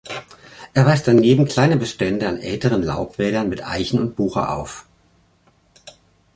Es weist daneben kleine Bestände an älteren Laubwäldern mit Eichen und Buche auf.